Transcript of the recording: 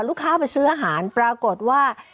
ลูกค้าไปซื้ออาหารปรากฏว่า